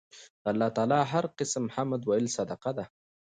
د الله تعالی هر قِسم حمد ويل صدقه ده